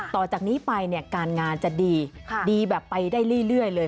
ต่อจากนี้ไปเนี่ยการงานจะดีดีแบบไปได้เรื่อยเลย